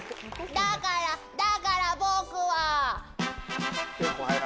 だから、だから、僕は。